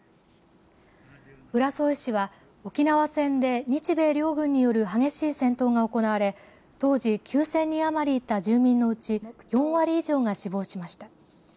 浦添市は沖縄戦で日米両軍による激しい戦闘が行われ当時、９０００人余りいた住民のうち４割以上が死亡しました。